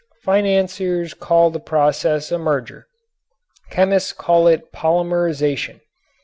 Financiers call the process a "merger." Chemists call it "polymerization."